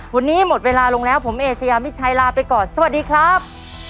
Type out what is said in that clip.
วันนี้หมดเวลาลงแล้วผมเอเชยามิชัยลาไปก่อนสวัสดีครับ